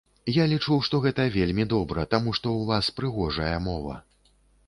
Я лічу, што гэта вельмі добра, таму што ў вас прыгожая мова.